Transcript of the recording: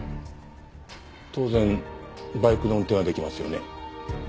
当然バイクの運転は出来ますよね？